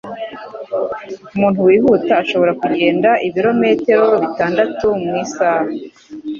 Umuntu wihuta ashobora kugenda ibirometero bitandatu mu isaha.